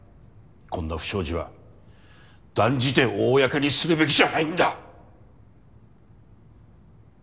こんな不祥事は断じて公にするべきじゃないんだ。